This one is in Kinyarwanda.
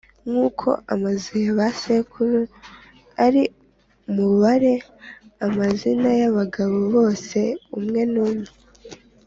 nk’uko amazu ya ba sekuru ari, mubare amazina y’abagabo bose umwe umwe